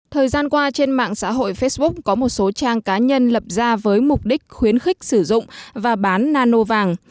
thời gian qua trên mạng xã hội facebook có một số trang cá nhân lập ra với mục đích khuyến khích sử dụng và bán nano vàng